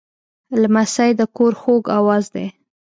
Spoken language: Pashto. لمسی د کور خوږ آواز دی.